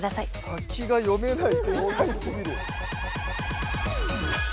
先が読めない展開すぎる。